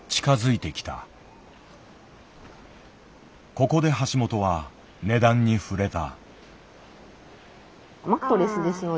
ここで橋本は値段に触れた。